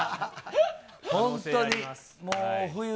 本当に。